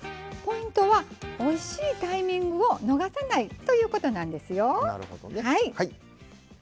ポイントはおいしいタイミングを逃さないということなんですよ。